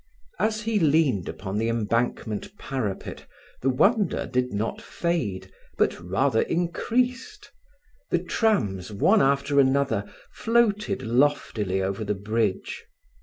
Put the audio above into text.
As he leaned upon the Embankment parapet the wonder did not fade, but rather increased. The trams, one after another, floated loftily over the bridge.